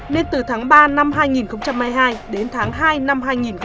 nên từ tháng ba năm hai nghìn hai mươi hai đến tháng hai năm hai nghìn hai mươi ba